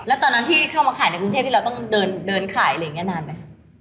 แล้วตอนนั้นที่เข้ามาขายในกรุงเทพที่เราต้องเดินขายอะไรอย่างนี้นานไหมคะ